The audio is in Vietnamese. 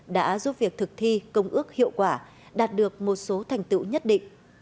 đã giúp việc thực thi công ước hiệu quả đạt được một số thành tựu nhất định